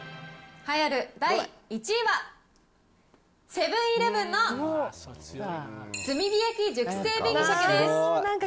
栄えある第１位は、セブンイレブンの炭火焼熟成紅しゃけです。